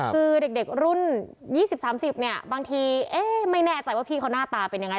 คือเด็กรุ่น๒๐๓๐เนี่ยบางทีไม่แน่ใจว่าพี่เขาหน้าตาเป็นยังไง